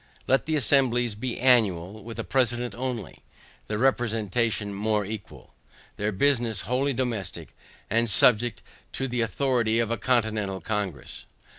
Let the assemblies be annual, with a President only. The representation more equal. Their business wholly domestic, and subject to the authority of a Continental Congress.